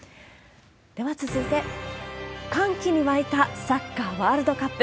では続いて、歓喜に沸いたサッカーワールドカップ。